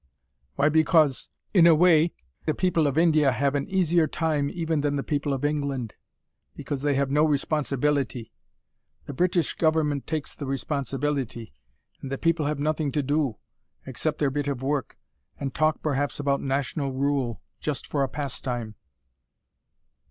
"Why, because, in a way the people of India have an easier time even than the people of England. Because they have no responsibility. The British Government takes the responsibility. And the people have nothing to do, except their bit of work and talk perhaps about national rule, just for a pastime."